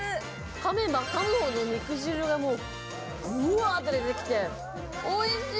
かめばかむほど肉汁がぶわーって出てきておいしい！